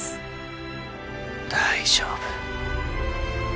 大丈夫。